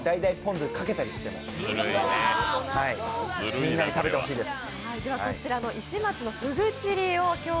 酢かけたりして、みんなに食べてほしいです。